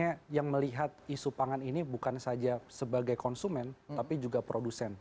karena yang melihat isu pangan ini bukan saja sebagai konsumen tapi juga produsen